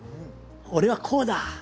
俺はこうだ！